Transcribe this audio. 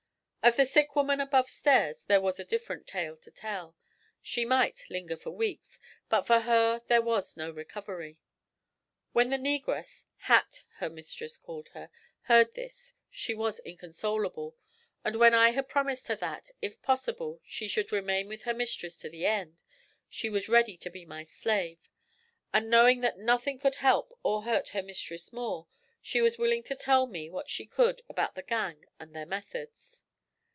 Of the sick woman above stairs there was a different tale to tell. She might linger for weeks, but for her there was no recovery. When the negress Hat, her mistress called her heard this she was inconsolable, and when I had promised her that, if possible, she should remain with her mistress to the end, she was ready to be my slave; and knowing that nothing could help or hurt her mistress more, she was willing to tell me what she could about the gang and their methods.